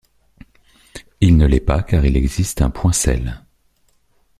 Il ne l'est pas car il existe un point-selle.